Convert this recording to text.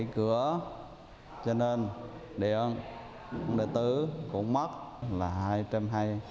chùa đã tránh điện để gây án